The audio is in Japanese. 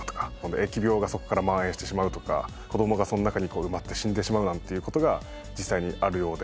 疫病がそこからまん延してしまうとか子供がその中に埋まって死んでしまうなんていう事が実際にあるようで。